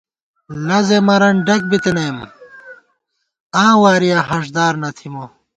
لزے مرَن ڈگ بِتِنِم آں وارِیاں ہاݭدار نہ تھِمہ